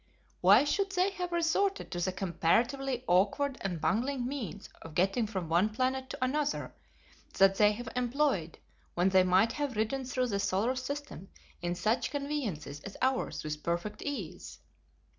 Why should they have resorted to the comparatively awkward and bungling means of getting from one planet to another that they have employed when they might have ridden through the solar system in such conveyances as ours with perfect ease?"